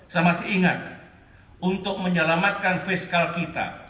saya masih ingat untuk menyelamatkan fiskal kita